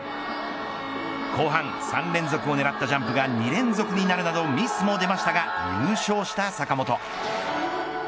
後半３連続をねらったジャンプが２連続になるなどミスも出ましたが優勝した坂本。